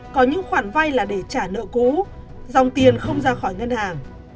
có những khoản vay là để trả nợ cũ dòng tiền không ra khỏi ngân hàng